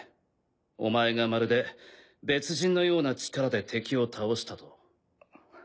お前がまるで別人のような力で敵を倒したと。